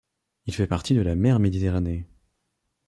Il fait partie de la mer Méditerranée.